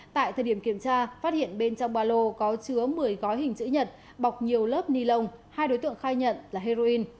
tại thời điểm kiểm tra phát hiện bên trong ba lô có chứa một mươi gói hình chữ nhật bọc nhiều lớp ni lông hai đối tượng khai nhận là heroin